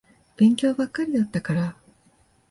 勉強ばっかりだったから。